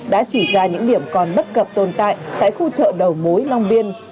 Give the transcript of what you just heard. đã chỉ ra những điểm còn bất cập tồn tại tại khu chợ đầu mối long biên